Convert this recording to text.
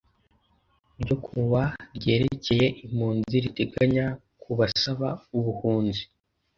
ryo ku wa ryerekeye impunzi riteganya ku basaba ubuhunzi